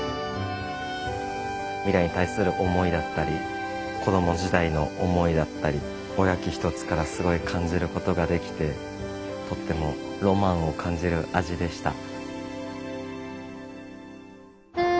未来に対する思いだったり子供時代の思いだったりおやき一つからすごい感じることができてとってもロマンを感じる味でした。